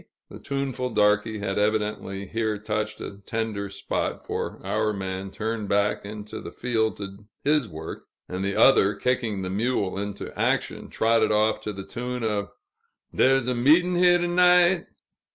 The tuneful darky had evidently here touched a tender spot, for our man turned back into the field to his work; and the other, kicking the mule into action, trotted off to the tune of "Dar's a meet'n' here, to night!"